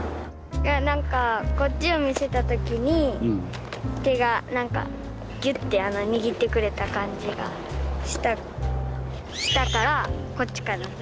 何かこっちを見せた時に手が何かギュッて握ってくれた感じがしたしたからこっちかな。